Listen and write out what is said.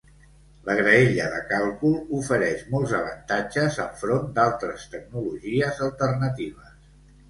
La graella de càlcul ofereix molts avantatges enfront d'altres tecnologies alternatives.